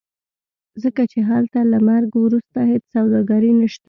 ځکه چې هلته له مرګ وروسته هېڅ سوداګري نشته.